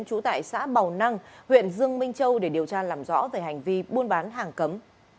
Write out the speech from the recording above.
trú tại xã bào năng huyện dương minh châu để điều tra làm rõ về hành vi buôn bán hàng cấm